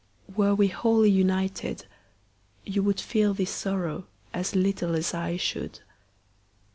Were we wholly united, you would feel this sorrow as little as I should.